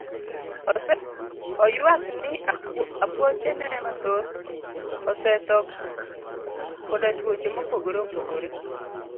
Oywak ni apuoche ne mathoth osetho koda tuoche mopogore opogore.